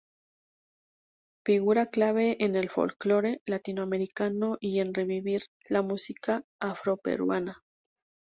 Figura clave en el folklore latinoamericano y en revivir la música afroperuana.